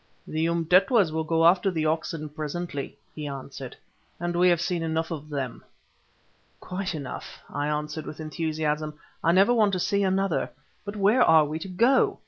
"The Umtetwas will go after the oxen presently," he answered, "and we have seen enough of them." "Quite enough," I answered, with enthusiasm; "I never want to see another; but where are we to go?